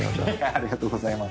ありがとうございます。